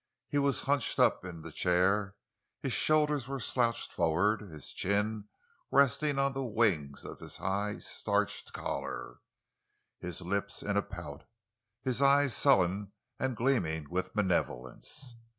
He was hunched up in the chair, his shoulders were slouched forward, his chin resting on the wings of his high, starched collar, his lips in a pout, his eyes sullen and gleaming with malevolence.